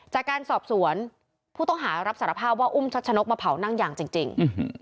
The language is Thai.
จากการสอบสวนผู้ต้องหารับสารภาพว่าอุ้มชัชนกมาเผานั่งยางจริง